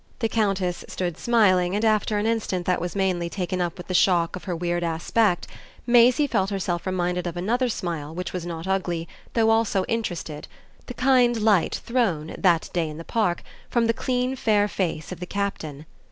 The Countess stood smiling, and after an instant that was mainly taken up with the shock of her weird aspect Maisie felt herself reminded of another smile, which was not ugly, though also interested the kind light thrown, that day in the Park, from the clean fair face of the Captain.